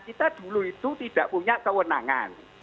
kita dulu itu tidak punya kewenangan